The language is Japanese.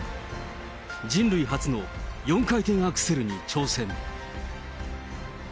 人類初の４回転アクセルに挑戦。